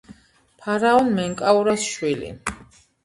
ფარაონ მენკაურას შვილი.